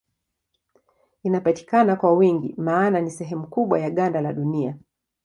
Inapatikana kwa wingi maana ni sehemu kubwa ya ganda la Dunia.